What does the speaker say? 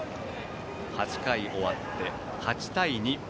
８回終わって８対２。